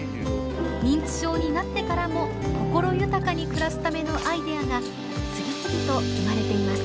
認知症になってからも心豊かに暮らすためのアイデアが次々と生まれています。